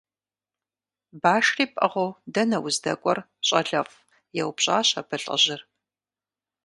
– Башри пӀыгъыу дэнэ уздэкӀуэр, щӀалэфӀ? – еупщӀащ абы лӀыжьыр.